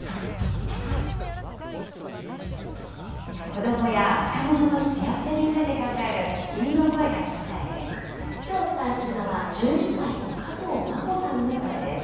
子どもや若者の幸せについて考える、君の声が聴きたいです。